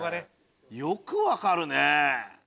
よく分かるね！